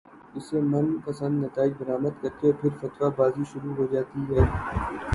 اس سے من پسندنتائج برآمد کرتے اورپھر فتوی بازی شروع ہو جاتی ہے۔